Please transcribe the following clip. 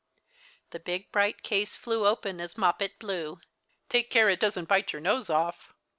The big bright case flew open as Moppet blew. " Take care it doesn't bite your nose off."